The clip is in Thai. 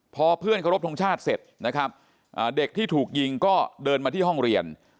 พอเพื่อนเคารพทงชาติเสร็จนะครับเด็กที่ถูกยิงก็เดินมาที่ห้องเรียน